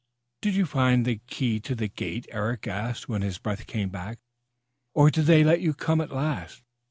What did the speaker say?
"Did you find the key to that gate?" Eric asked when his breath came back, "Or did they let you come at last."